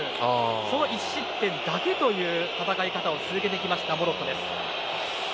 その１失点だけという戦いを続けてきたモロッコです。